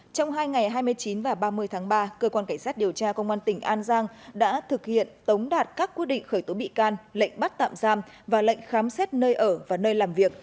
trong hai ngày hai mươi chín và ba mươi tháng ba cơ quan cảnh sát điều tra công an tỉnh an giang đã thực hiện tống đạt các quyết định khởi tố bị can lệnh bắt tạm giam và lệnh khám xét nơi ở và nơi làm việc